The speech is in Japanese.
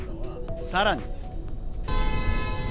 さらに。